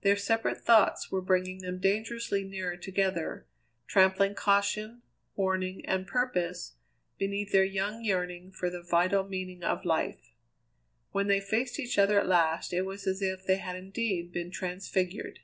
Their separate thoughts were bringing them dangerously nearer together, trampling caution, warning, and purpose beneath their young yearning for the vital meaning of life. When they faced each other at last it was as if they had indeed been transfigured.